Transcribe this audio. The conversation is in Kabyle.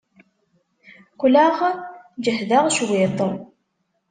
Qqleɣ jehdeɣ cwiṭ.